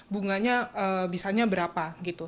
bunganya bisanya berapa gitu